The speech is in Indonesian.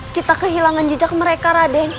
kita kehilangan jejak mereka raden